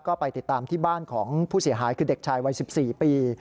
ก็ไปติดตามที่บ้านของผู้เสียหายคือเด็กชายวัย๑๔ปี